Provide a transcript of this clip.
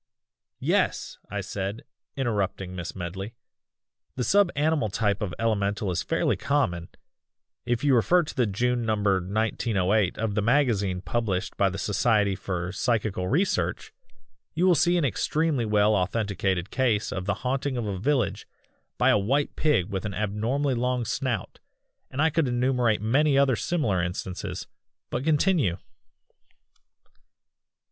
"Yes!" I said, interrupting Miss Medley, "the sub animal type of elemental is fairly common if you refer to the June number 1908 of the magazine published by the Society for Psychical Research you will see an extremely well authenticated case of the haunting of a village by a white pig with an abnormally long snout and I could enumerate many other similar instances. But continue!"